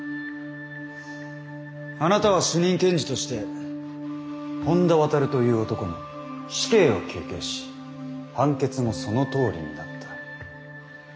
あなたは主任検事として本田亘という男に死刑を求刑し判決もそのとおりになった。